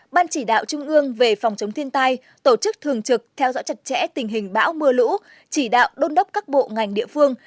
ban chỉ đạo trung ương về phòng chống thiên tai tổ chức thường trực theo dõi chặt chẽ tình hình bão mưa lũ chỉ đạo đôn đốc các bộ ngành địa phương